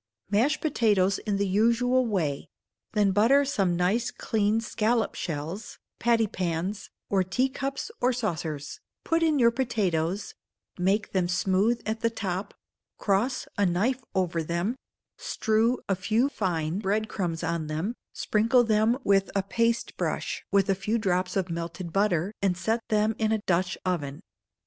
Mash potatoes in the usual way; then butter some nice clean scallop shells, pattypans, or tea cups or saucers; put in your potatoes; make them smooth at the top; cross a knife over them; strew a few fine bread crumbs on them; sprinkle them with a paste brush with a few drops of melted butter, and set them in a Dutch oven.